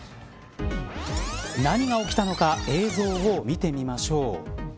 何が起きたのか映像を見てみましょう。